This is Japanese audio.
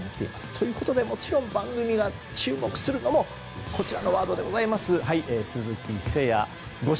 ということで番組が注目するのもこちらのワードでございます。